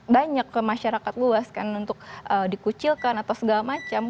banyak ke masyarakat luas kan untuk dikucilkan atau segala macam